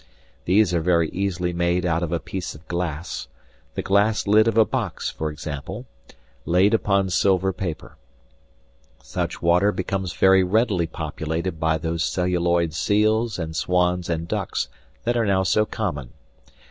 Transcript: These are very easily made out of a piece of glass the glass lid of a box for example laid upon silver paper. Such water becomes very readily populated by those celluloid seals and swans and ducks that are now so common.